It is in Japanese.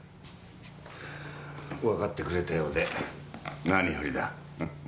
分かってくれたようで何よりだ。